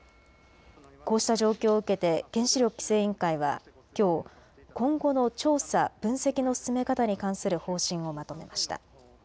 こうした状況を受けて原子力規制委員会はきょう今後の調査・分析の進め方に関する方針をまとめました。